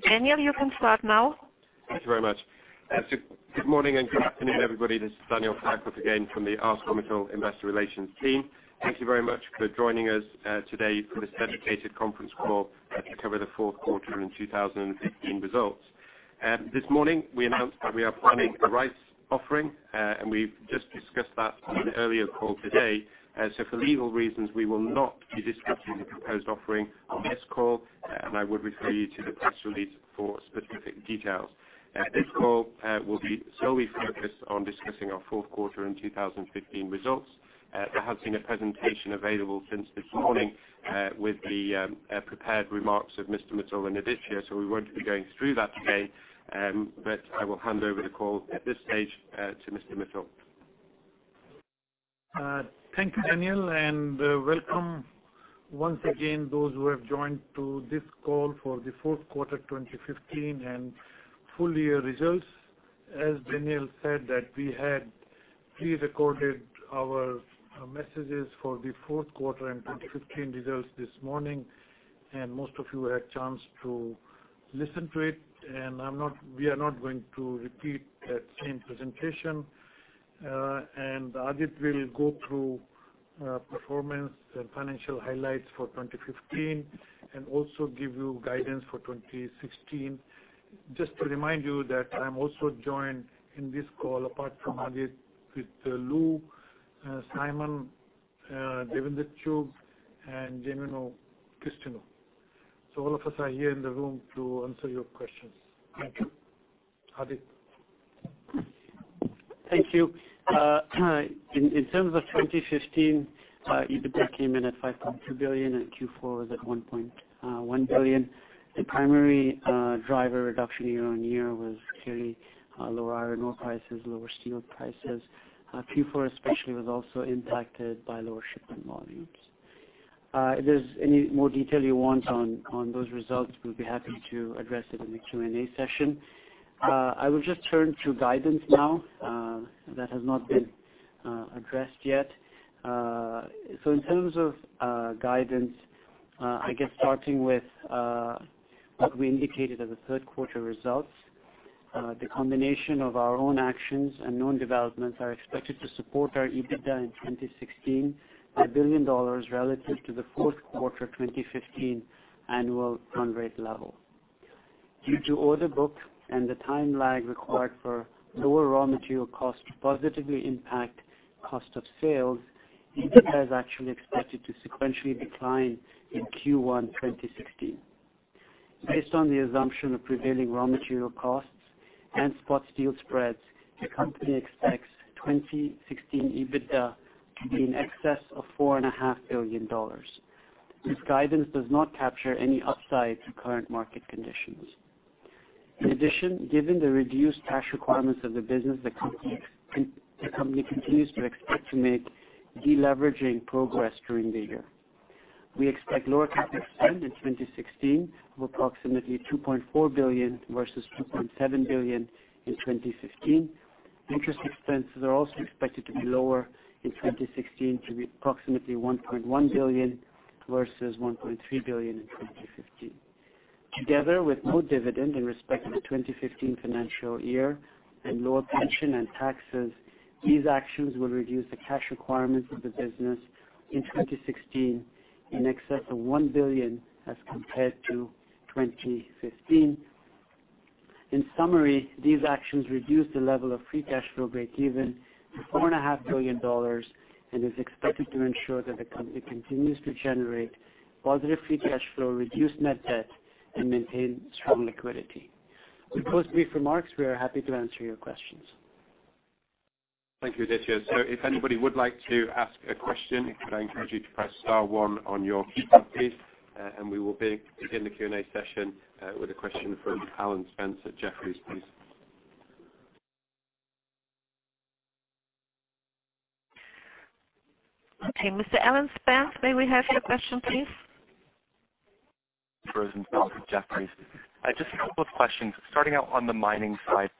Daniel, you can start now. Thank you very much. Good morning and good afternoon, everybody. This is Daniel Fairclough again from the ArcelorMittal investor relations team. Thank you very much for joining us today for this dedicated conference call to cover the fourth quarter and 2015 results. This morning, we announced that we are planning a rights offering, and we've just discussed that on an earlier call today. For legal reasons, we will not be discussing the proposed offering on this call, and I would refer you to the press release for specific details. This call will be solely focused on discussing our fourth quarter and 2015 results. There has been a presentation available since this morning with the prepared remarks of Mr. Mittal and Aditya, we won't be going through that today. I will hand over the call at this stage to Mr. Mittal. Thank you, Daniel, welcome once again those who have joined to this call for the fourth quarter 2015 and full year results. As Daniel said that we had pre-recorded our messages for the fourth quarter and 2015 results this morning, most of you had a chance to listen to it. We are not going to repeat that same presentation. Aditya will go through performance and financial highlights for 2015 and also give you guidance for 2016. Just to remind you that I'm also joined in this call, apart from Aditya, with Lou, Simon, Devinder Chopra, and Emiliano Cristino. All of us are here in the room to answer your questions. Thank you. Aditya. Thank you. In terms of 2015, EBITDA came in at $5.2 billion, and Q4 was at $1.1 billion. The primary driver reduction year-on-year was clearly lower iron ore prices, lower steel prices. Q4 especially was also impacted by lower shipment volumes. If there's any more detail you want on those results, we'll be happy to address it in the Q&A session. I will just turn to guidance now. That has not been addressed yet. In terms of guidance, I guess starting with what we indicated as the third quarter results. The combination of our own actions and known developments are expected to support our EBITDA in 2016 by $1 billion relative to the fourth quarter 2015 annual run rate level. Due to order book and the time lag required for lower raw material cost to positively impact cost of sales, EBITDA is actually expected to sequentially decline in Q1 2016. Based on the assumption of prevailing raw material costs and spot steel spreads, the company expects 2016 EBITDA to be in excess of $4.5 billion. This guidance does not capture any upside to current market conditions. In addition, given the reduced cash requirements of the business, the company continues to expect to make deleveraging progress during the year. We expect lower capital spend in 2016 of approximately $2.4 billion versus $2.7 billion in 2015. Interest expenses are also expected to be lower in 2016 to be approximately $1.1 billion versus $1.3 billion in 2015. Together with no dividend in respect of the 2015 financial year and lower pension and taxes, these actions will reduce the cash requirements of the business in 2016 in excess of $1 billion as compared to 2015. In summary, these actions reduce the level of free cash flow breakeven to $4.5 billion and is expected to ensure that the company continues to generate positive free cash flow, reduce net debt, and maintain strong liquidity. With those brief remarks, we are happy to answer your questions. Thank you, Aditya. If anybody would like to ask a question, could I encourage you to press star one on your keypad, please? We will begin the Q&A session with a question from Alan Spence at Jefferies, please. Okay. Mr. Alan Spence, may we have your question, please? Alan Spence from Jefferies. Just a couple of questions. Starting out on the mining side.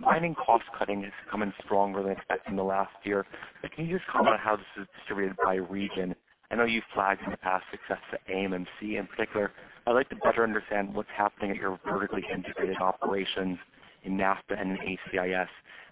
Mining cost-cutting has come in stronger than expected in the last year. Can you just comment on how this is distributed by region? I know you've flagged in the past success at AMMC in particular. I'd like to better understand what's happening at your vertically integrated operations in NAFTA and ACIS.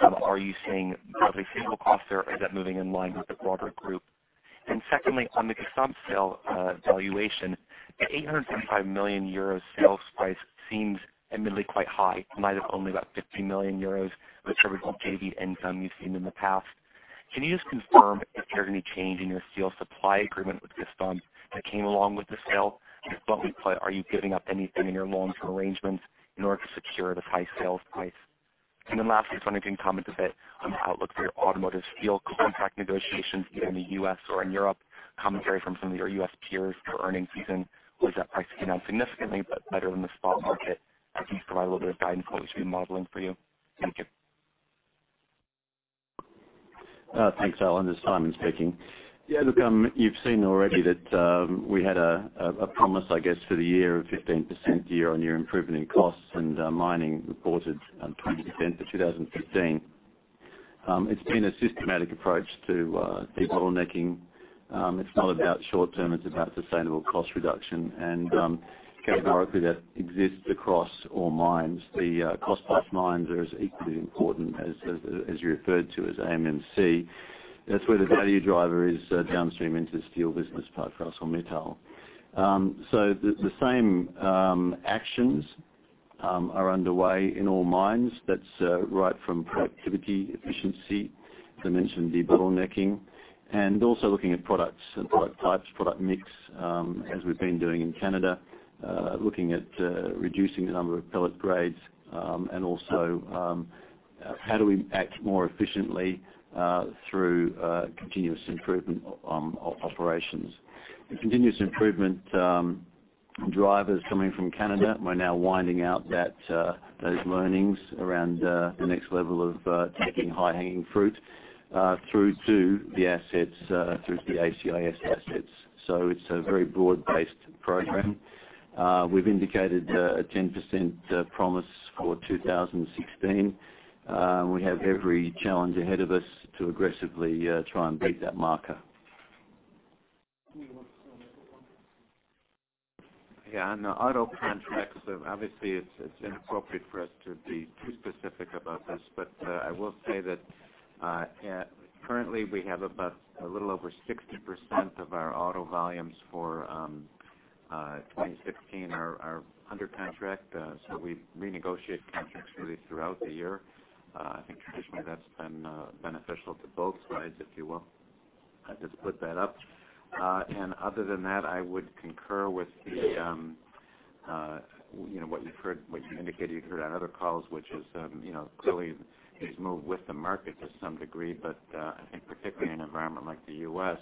Are you seeing broadly similar costs there, or is that moving in line with the broader group? Secondly, on the Gestamp sale valuation, the €875 million sales price seems admittedly quite high in light of only about €50 million of attributable EBITDA and income you've seen in the past. Can you just confirm if there's any change in your steel supply agreement with Gestamp that came along with the sale? If not, are you giving up anything in your long-term arrangements in order to secure this high sales price? Lastly, if I can comment a bit on the outlook for your automotive steel contract negotiations, either in the U.S. or in Europe. Commentary from some of your U.S. peers for earnings season was that pricing came down significantly but better than the spot market. Can you provide a little bit of guidance on what we should be modeling for you? Thank you. Thanks, Alan. This is Simon speaking. Look, you've seen already that we had a promise, I guess, for the year of 15% year-on-year improvement in costs and mining reported 20% for 2015. It's been a systematic approach to de-bottlenecking. It's not about short-term, it's about sustainable cost reduction. Categorically that exists across all mines. The cost plus mines are as equally important as you referred to as AMMC. That's where the value driver is downstream into the steel business part for ArcelorMittal. The same actions are underway in all mines. That's right from productivity, efficiency, as I mentioned, de-bottlenecking, and also looking at products, product types, product mix, as we've been doing in Canada, looking at reducing the number of pellet grades, and also how do we act more efficiently through continuous improvement of operations. The continuous improvement drivers coming from Canada, we're now winding out those learnings around the next level of taking high-hanging fruit through to the ACIS assets. It's a very broad-based program. We've indicated a 10% promise for 2016. We have every challenge ahead of us to aggressively try and beat that marker. The continuous improvement drivers coming from Canada, we're now winding out those learnings around the next level of taking high-hanging fruit through to the ACIS assets. It's a very broad-based program. We've indicated a 10% promise for 2016. We have every challenge ahead of us to aggressively try and beat that marker. Yeah. On the auto contracts, obviously, it's inappropriate for us to be too specific about this. I will say that currently we have about a little over 60% of our auto volumes for 2016 are under contract. We renegotiate contracts really throughout the year. I think traditionally that's been beneficial to both sides, if you will. I'd just put that up. Other than that, I would concur with what you indicated you'd heard on other calls, which is clearly these move with the market to some degree. I think particularly in an environment like the U.S.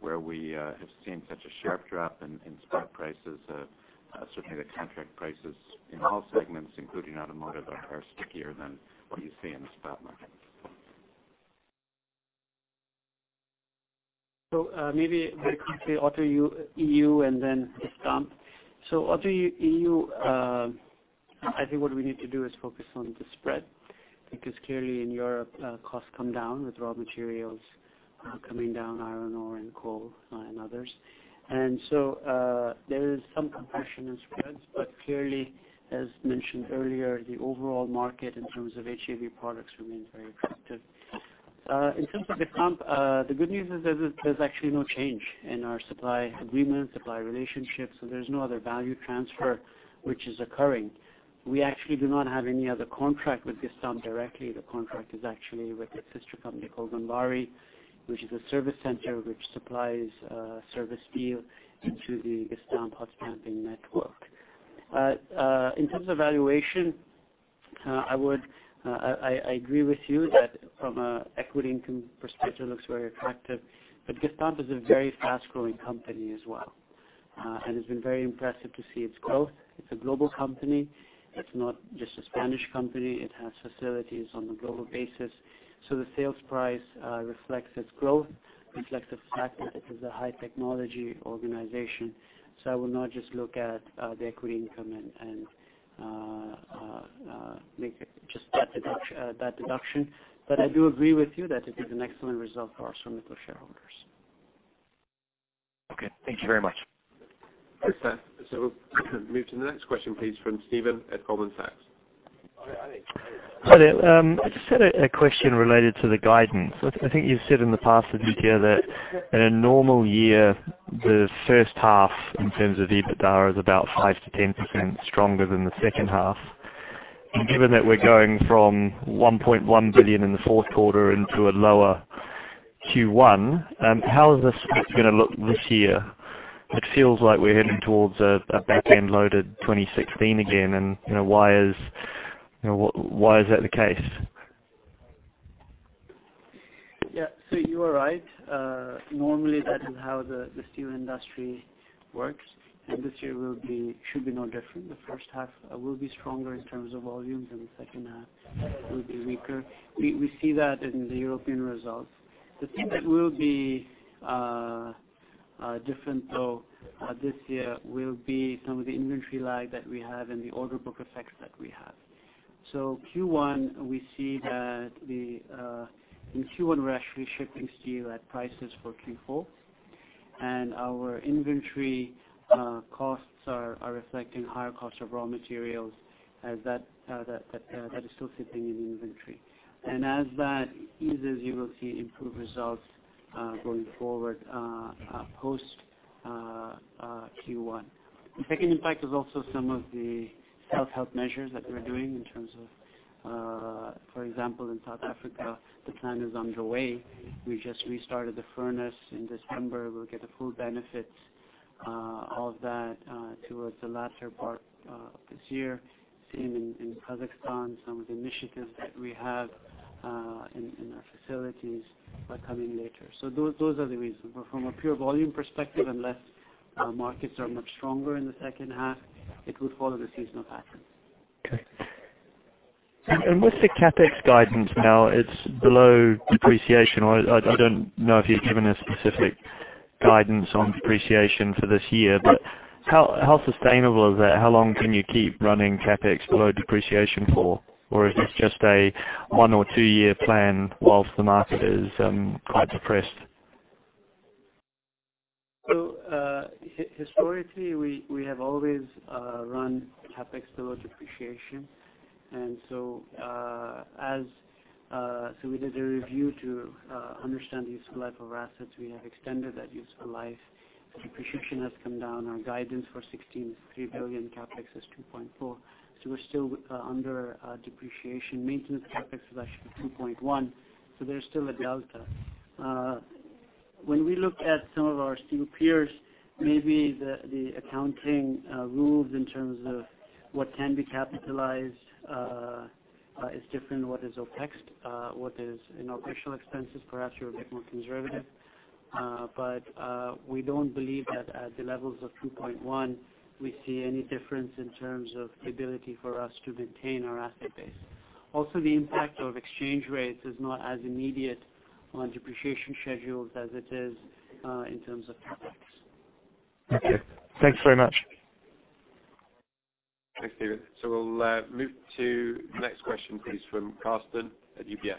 where we have seen such a sharp drop in spot prices, certainly the contract prices in all segments, including automotive, are stickier than what you see in the spot market. Maybe very quickly, auto EU and then Gestamp. Auto EU, I think what we need to do is focus on the spread, because clearly in Europe, costs come down with raw materials coming down, iron ore and coal, and others. There is some compression in spreads, but clearly, as mentioned earlier, the overall market in terms of HVA products remains very attractive. In terms of the Gestamp, the good news is there's actually no change in our supply agreement, supply relationship. There's no other value transfer which is occurring. We actually do not have any other contract with Gestamp directly. The contract is actually with the sister company called Gonvarri, which is a service center which supplies service steel into the Gestamp hot stamping network. In terms of valuation, I agree with you that from an equity income perspective, it looks very attractive. Gestamp is a very fast-growing company as well. It's been very impressive to see its growth. It's a global company. It's not just a Spanish company. It has facilities on a global basis. The sales price reflects its growth, reflects the fact that it is a high technology organization. I will not just look at the equity income and make just that deduction. I do agree with you that it is an excellent result for ArcelorMittal shareholders. Okay. Thank you very much. We'll move to the next question, please, from Steven at Goldman Sachs. Hi. Hi there. I just had a question related to the guidance. I think you've said in the past, if you hear that in a normal year, the first half in terms of EBITDA is about 5%-10% stronger than the second half. Given that we're going from $1.1 billion in the fourth quarter into a lower Q1, how is the split going to look this year? It feels like we're heading towards a back-end loaded 2016 again, why is that the case? Yeah. You are right. Normally, that is how the steel industry works, this year should be no different. The first half will be stronger in terms of volumes, the second half will be weaker. We see that in the European results. The thing that will be different, though, this year will be some of the inventory lag that we have and the order book effects that we have. Q1, we're actually shipping steel at prices for Q4, our inventory costs are reflecting higher costs of raw materials as that is still sitting in the inventory. As that eases, you will see improved results going forward post Q1. The second impact is also some of the self-help measures that we're doing in terms of for example, in South Africa, the plan is underway. We just restarted the furnace in December. We'll get the full benefits of that towards the latter part of this year. Same in Kazakhstan, some of the initiatives that we have in our facilities are coming later. Those are the reasons. From a pure volume perspective, unless markets are much stronger in the second half, it would follow the seasonal pattern. Okay. With the CapEx guidance now, it's below depreciation, or I don't know if you've given a specific. Guidance on depreciation for this year. How sustainable is that? How long can you keep running CapEx below depreciation for? Is this just a one or two-year plan while the market is quite depressed? Historically, we have always run CapEx below depreciation. We did a review to understand the useful life of our assets. We have extended that useful life. Depreciation has come down. Our guidance for 2016 is 3 billion, CapEx is $2.4 billion. We're still under depreciation. Maintenance CapEx is actually 2.1, so there's still a delta. When we look at some of our steel peers, maybe the accounting rules in terms of what can be capitalized is different. What is OpEx, what is operational expenses, perhaps you're a bit more conservative. We don't believe that at the levels of 2.1, we see any difference in terms of the ability for us to maintain our asset base. Also, the impact of exchange rates is not as immediate on depreciation schedules as it is in terms of CapEx. Okay. Thanks very much. Thanks, Steven. We'll move to the next question, please, from Carsten at UBS.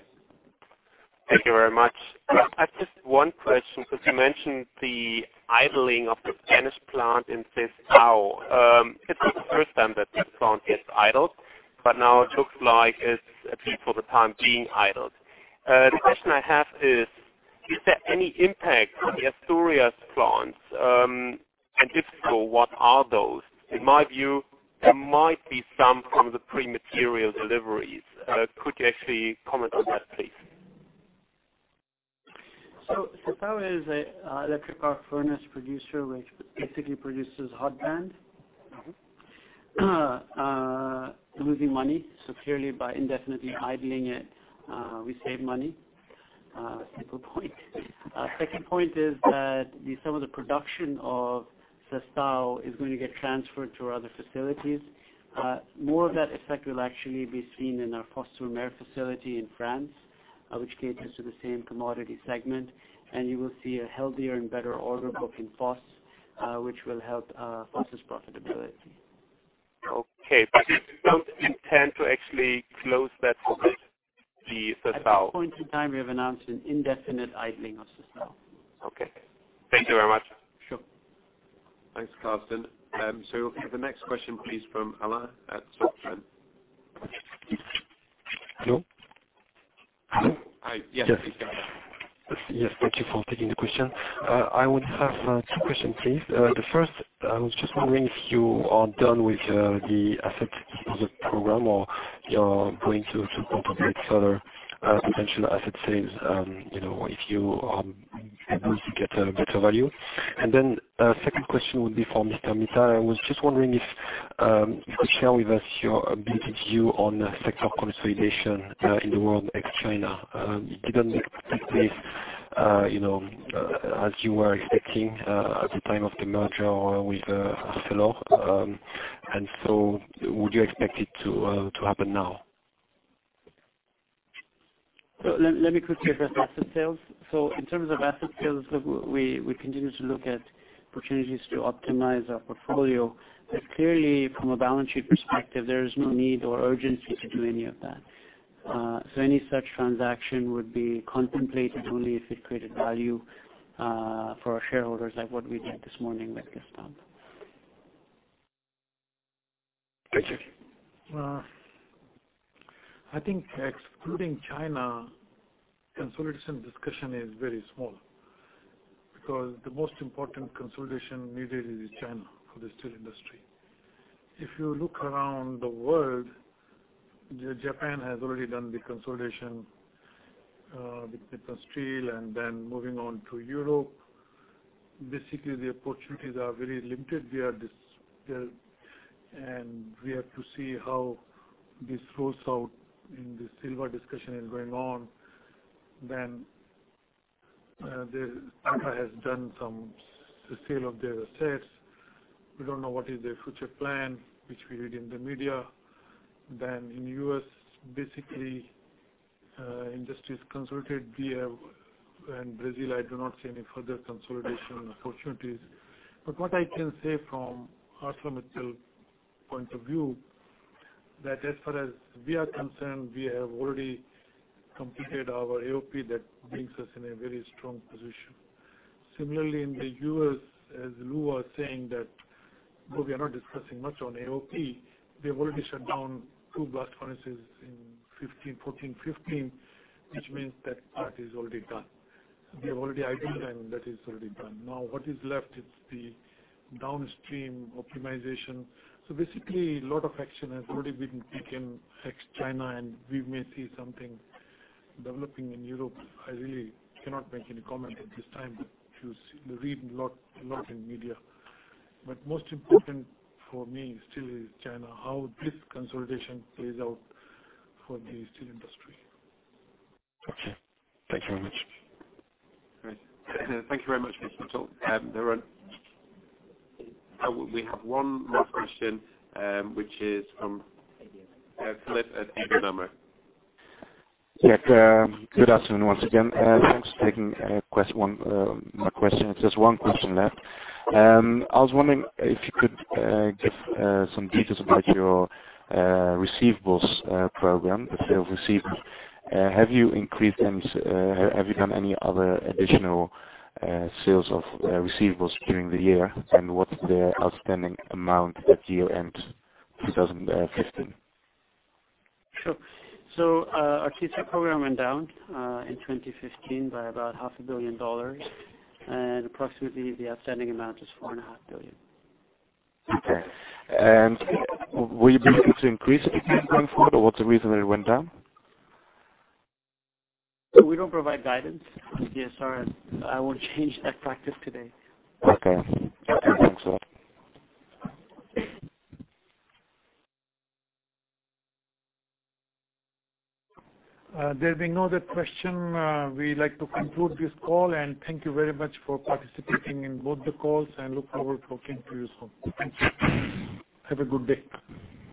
Thank you very much. I have just one question, because you mentioned the idling of the Spanish plant in Sestao. This is the first time that this plant gets idled, but now it looks like it's at least for the time being idled. The question I have is there any impact on the Asturias plants? If so, what are those? In my view, there might be some from the pre-material deliveries. Could you actually comment on that, please? Sestao is a electric arc furnace producer, which basically produces hot band. Losing money, so clearly by indefinitely idling it, we save money. A simple point. Second point is that some of the production of Sestao is going to get transferred to our other facilities. More of that effect will actually be seen in our Fos-sur-Mer facility in France, which caters to the same commodity segment. You will see a healthier and better order book in Fos, which will help Fos' profitability. But you don't intend to actually close that facility, the Sestao. At this point in time, we have announced an indefinite idling of Sestao. Thank you very much. Sure. Thanks, Carsten. We'll take the next question, please, from Alain at SocGen. Hello? Hi. Yes, please go ahead. Yes, thank you for taking the question. I would have two questions, please. The first, I was just wondering if you are done with the asset project program, or you're going to contemplate further potential asset sales, if you are able to get a better value. Second question would be for Lakshmi Mittal. I was just wondering if you could share with us your updated view on sector consolidation in the world, ex-China. It didn't take place as you were expecting at the time of the merger with Arcelor. Would you expect it to happen now? Let me quickly address asset sales. In terms of asset sales, look, we continue to look at opportunities to optimize our portfolio. Clearly from a balance sheet perspective, there is no need or urgency to do any of that. Any such transaction would be contemplated only if it created value for our shareholders, like what we did this morning with Sestao. Thank you. I think excluding China, consolidation discussion is very small. The most important consolidation needed is in China for the steel industry. If you look around the world, Japan has already done the consolidation with Nippon Steel and moving on to Europe. Basically, the opportunities are very limited there. We have to see how this rolls out in the Ilva discussion is going on. Tata has done some sale of their assets. We don't know what is their future plan, which we read in the media. In U.S., basically, industries consolidated. We have in Brazil, I do not see any further consolidation opportunities. What I can say from ArcelorMittal point of view, that as far as we are concerned, we have already completed our AOP. That brings us in a very strong position. Similarly, in the U.S., as Lou was saying that, though we are not discussing much on AOP, they have already shut down two blast furnaces in 2014, 2015, which means that part is already done. They have already idled them, and that is already done. Now what is left, it's the downstream optimization. Basically, lot of action has already been taken ex-China, and we may see something developing in Europe. I really cannot make any comment at this time. You read a lot in media. Most important for me still is China, how this consolidation plays out for the steel industry. Okay. Thank you very much. Great. Thank you very much, Mr. Mittal. We have one more question, which is from Philip at KeyBanc. Yeah, good afternoon once again. Thanks for taking my question. It's just one question left. I was wondering if you could give some details about your receivables program, the sale of receivables. Have you increased them? Have you done any other additional sales of receivables during the year? What's the outstanding amount at year-end 2015? Sure. Our TSR program went down in 2015 by about half a billion dollars. Approximately the outstanding amount is four and a half billion dollars. Okay. Will you be looking to increase it going forward, or what's the reason that it went down? We don't provide guidance on TSR. I won't change that practice today. Okay. Thanks a lot. There being no other question, we like to conclude this call. Thank you very much for participating in both the calls, and look forward to talking to you soon. Thank you. Have a good day. Thank you.